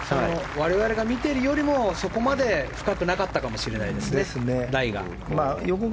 我々が見ているよりもそこまでライが深くなかったかもしれないですね。